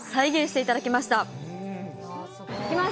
いきます！